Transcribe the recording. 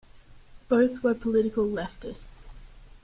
Both were political leftists.